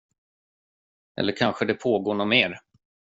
Eller kanske det pågår något mer.